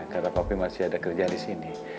karena papi masih ada kerja di sini